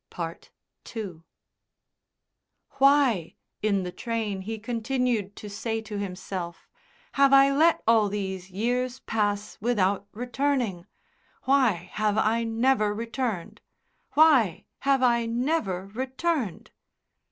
II "Why," in the train he continued to say to himself, "have I let all these years pass without returning? Why have I never returned?... Why have I never returned?"